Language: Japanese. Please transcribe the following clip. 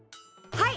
はい！